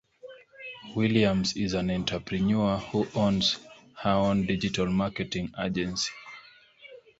Williams is an entrepreneur who owns her own Digital Marketing agency.